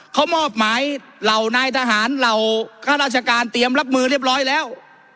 เขามอบหมายเหล่านายทหารเหล่าข้าราชการเตรียมรับมือเรียบร้อยแล้ว